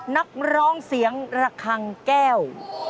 นักร้องเสียงระคังแก้ว